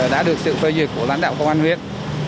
đã được sự phê duyệt của lãnh đạo công an huyện